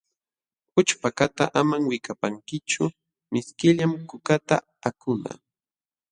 Ućhpakaqta amam wikapankichu, mishkillam kukata akunapq.